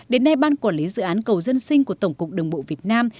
đến nay ban quản lý dự án cầu dân sinh của tổng cục đường bộ việt nam